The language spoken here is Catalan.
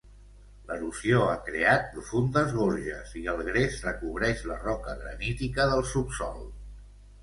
L'erosió ha creat profundes gorges i el gres recobreix la roca granítica del subsòl.